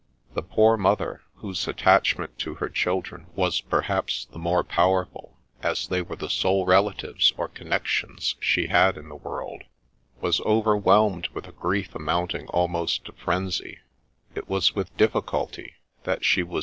' The poor mother, whose attachment to her children was perhaps the more powerful, as they were the sole relatives or connections she had in the world, was overwhelmed with a grief amounting almost to frenzy ; it was with difficulty 'that she was THE LATE HENRY HARRIS, D.D.